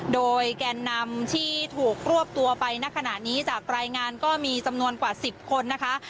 โดยแกนนำที่ถูกรวบตัวไปณขณะนี้จากรายงานก็มีจำนวนกว่า๑๐คนนะคะ